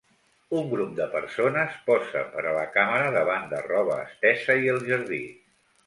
Un grup de persones posa per a la càmera davant de roba estesa i el jardí.